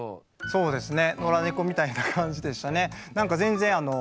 そうですね。